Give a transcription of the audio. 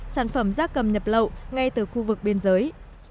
sản phẩm da cầm nhập lậu ngay từ khu vực biên giới